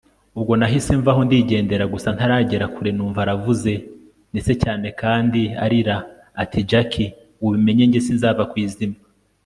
ubwo nahise mvaho ndigendera gusa ntaragera kure numva aravuze ndetse cyane kandi arira ati jack ubimenye njye sinzava kwizima